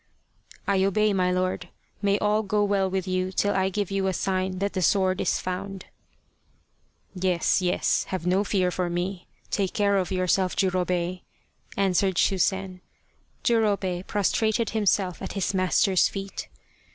" I obey, my lord ! May all go well with you till I give you a sign that the sword is found." " Yes, yes, have no fear for me. Take care of your self, Jurobei !" answered Shusen. Jurobei prostrated himself at his master's feet.